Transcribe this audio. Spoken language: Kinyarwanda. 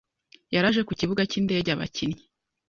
yaraje ku kibuga cy’indege abakinnyi